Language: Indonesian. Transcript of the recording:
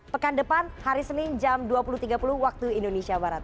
pekan depan hari senin jam dua puluh tiga puluh waktu indonesia barat